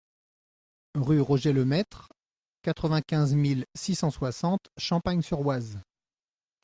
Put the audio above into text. Rue Roger Lemaître, quatre-vingt-quinze mille six cent soixante Champagne-sur-Oise